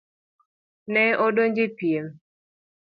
Ne odonjo e pien.